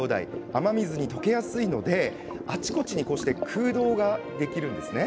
雨水に溶けやすいのであちこちに空洞ができます。